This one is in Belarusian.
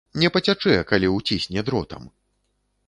Не пацячэ, калі ўцісне дротам.